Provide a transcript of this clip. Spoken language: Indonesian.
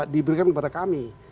diberikan kepada kami